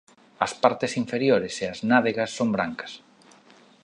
As partes inferiores e as nádegas son brancas.